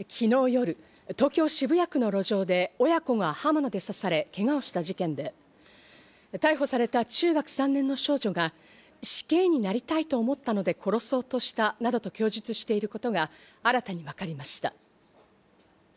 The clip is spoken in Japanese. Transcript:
昨日夜、東京・渋谷区の路上で親子が刃物で刺され、けがをした事件で、逮捕された中学３年の少女が、死刑になりたいと思ったので殺そうとしたなどと供述していることが新たに分かりました。